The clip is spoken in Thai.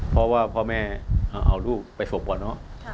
เพราะว่าพ่อแม่เอาลูกไปส่งก่อนเนอะ